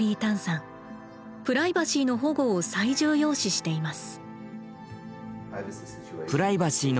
プライバシーの保護を最重要視しています。